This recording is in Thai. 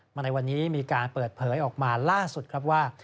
มาในวันนี้มีการเปิดเผยออกมาล่าสุดครับว่า